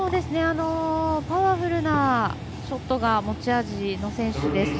パワフルなショットが持ち味の選手ですね。